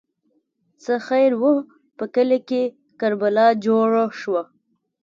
ـ څه خیر وو، په کلي کې کربلا جوړه شوه.